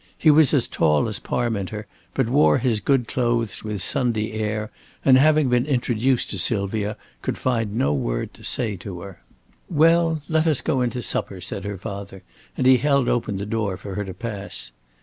He was as tall as Parminter, but wore his good clothes with Sunday air, and having been introduced to Sylvia could find no word to say to her. "Well, let us go in to supper," said her father, and he held open the door for her to pass.